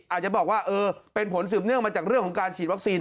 อาจจะบอกว่าเออเป็นผลสืบเนื่องมาจากเรื่องของการฉีดวัคซีน